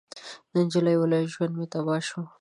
نجلۍ وويل: ژوند مې تباه شو.